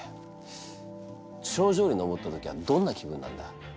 頂上に登った時はどんな気分なんだ？